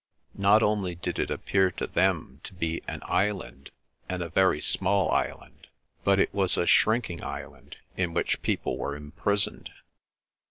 Not only did it appear to them to be an island, and a very small island, but it was a shrinking island in which people were imprisoned.